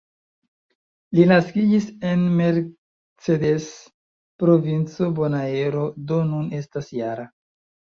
Li naskiĝis en "Mercedes", provinco Bonaero, do nun estas -jara.